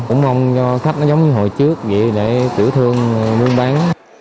cũng mong cho khách nó giống như hồi trước vậy để tiểu thương mua bán